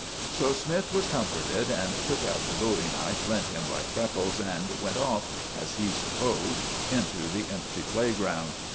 So Smythe was comforted, and took out the bowie knife lent him by Freckles, and went off, as he supposed, into the empty playground.